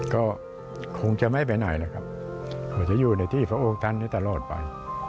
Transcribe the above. ก็คงจะไม่ไปไหนนะครับเขาจะอยู่ในที่พระองค์ท่านนี้ตลอดไป